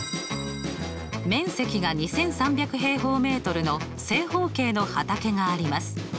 面積が２３００平方メートルの正方形の畑があります。